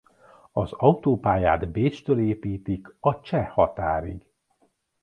Az autópályát Bécstől építik a cseh határig.